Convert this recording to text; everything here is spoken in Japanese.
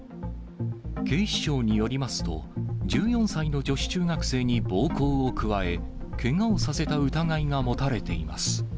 警視庁によりますと、１４歳の女子中学生に暴行を加え、けがをさせた疑いが持たれています。